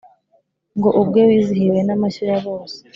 ngo ubwo wizihiwe n'amashyo ya bose,